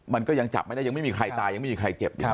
มันก็ยังจับไม่ได้ยังไม่มีใครตายยังไม่มีใครเจ็บอยู่